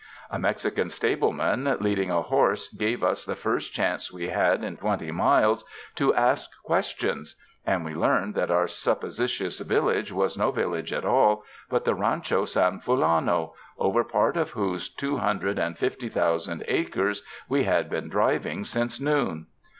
A Mexican stableman leading a horse gave us the first chance we had in twenty miles to ask questions, and we learned that our sup posititious village was no village at all, but the Rancho San Fulano, over part of whose two hun dred and fifty thousand acres we had been driving since noon.